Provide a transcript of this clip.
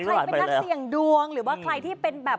ใครเป็นนักเสี่ยงดวงหรือว่าใครที่เป็นแบบ